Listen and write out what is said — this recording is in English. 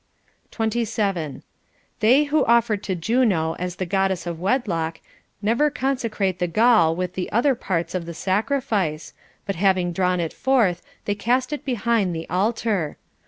27. They who offer to Juno as the Goddess of Wedlock never consecrate the gall with the other parts of the sacri fice, but having drawn it forth, they cast it behind the altar.